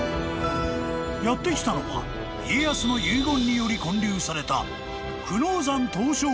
［やって来たのは家康の遺言により建立された］